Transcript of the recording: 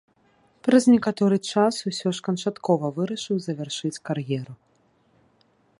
Праз некаторы час усё ж канчаткова вырашыў завяршыць кар'еру.